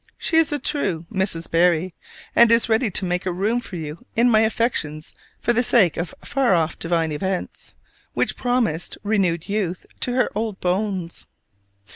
She is a true "Mrs. Berry," and is ready to make room for you in my affections for the sake of far off divine events, which promise renewed youth to her old bones.